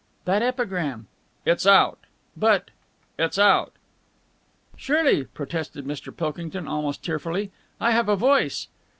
"That epigram...." "It's out!" "But ...!" "It's out!" "Surely," protested Mr. Pilkington almost tearfully, "I have a voice...."